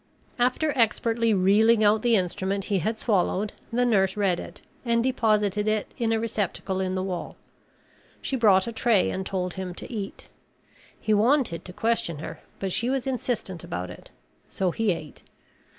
After expertly reeling out the instrument he had swallowed, the nurse read it and deposited it in a receptacle in the wall. She brought a tray and told him to eat. He wanted to question her, but she was insistent about it so he ate.